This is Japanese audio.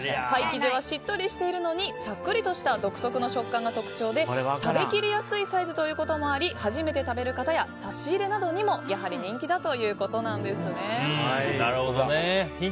パイ生地はしっとりしているのにさっくりした独特な触感が特徴で食べきりやすいサイズということもあり初めて食べる方や差し入れなどにも人気だということなんです。